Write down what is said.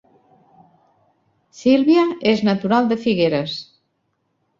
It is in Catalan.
Sílvia és natural de Figueres